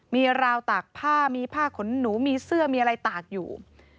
มีราวตากผ้ามีผ้าขนหนูมีเสื้อมีอะไรตากอยู่